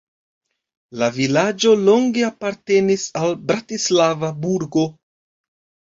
La vilaĝo longe apartenis al Bratislava burgo.